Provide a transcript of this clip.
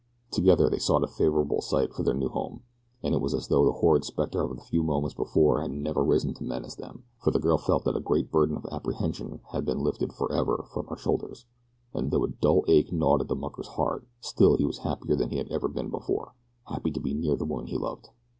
Together they sought a favorable site for their new home, and it was as though the horrid specter of a few moments before had never risen to menace them, for the girl felt that a great burden of apprehension had been lifted forever from her shoulders, and though a dull ache gnawed at the mucker's heart, still he was happier than he had ever been before happy to be near the woman he loved.